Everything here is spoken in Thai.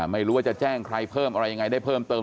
ไม่รู้ว่าจะแจ้งใครเพิ่มอะไรยังไงได้เพิ่มเติม